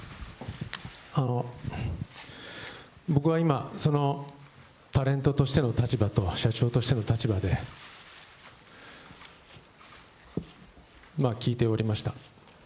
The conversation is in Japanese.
僕は今、そのタレントとしての立場と社長としての立場で聞いておりました。